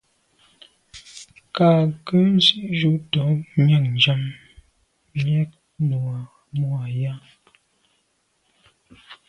Kâ gə́ zí’jú tɔ̌ míɛ̂nʤám mjɛ̂k mú à yá.